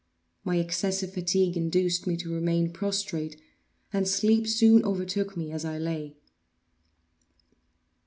My excessive fatigue induced me to remain prostrate; and sleep soon overtook me as I lay.